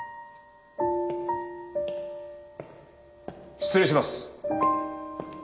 失礼します。